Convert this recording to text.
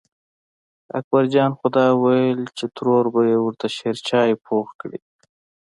اکبر جان خو دا وېل چې ترور به یې ورته شېرچای پوخ کړي.